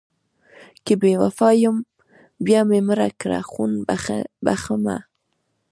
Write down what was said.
که بې وفا یم بیا مې مړه کړه خون بښمه...